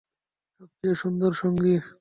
সবচেয়ে সুন্দর সঙ্গি।